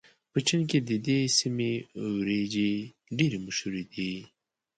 په چين کې د دې سيمې وريجې ډېرې مشهورې دي.